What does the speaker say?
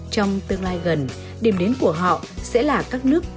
trong tương lai gần điểm đến của họ sẽ là các nước đồng hồ